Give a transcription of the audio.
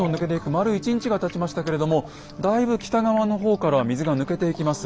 丸１日がたちましたけれどもだいぶ北側の方からは水が抜けていきます。